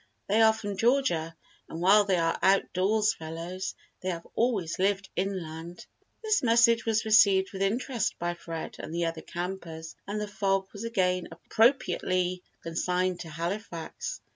They are from Georgia and while they are out of doors fellows they have always lived inland." This message was received with interest by Fred and the other campers and the fog was again appropriately consigned to "Halifax."